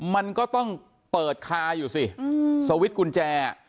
มันก็ต้องเปิดคาอยู่สิสวิตช์กุญแจ